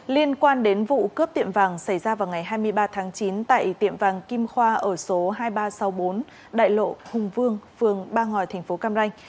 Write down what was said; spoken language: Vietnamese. liên quan đến vụ cướp tiệm vàng xảy ra vào ngày hai mươi ba tháng chín tại tiệm vàng kim khoa ở số hai nghìn ba trăm sáu mươi bốn đại lộ hùng vương phường ba ngòi thành phố cam ranh